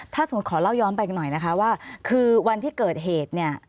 ถ้าสมมุติขอเล่าย้อนไปหน่อยนะคะว่าคือวันที่เกิดเหตุเนี่ย